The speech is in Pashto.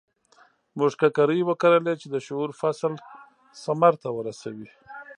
موږ ککرې وکرلې چې د شعور فصل ثمر ته ورسوي.